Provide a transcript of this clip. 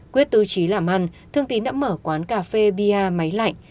quyết tâm trí làm ăn thương tín đã mở quán cà phê bia máy lạnh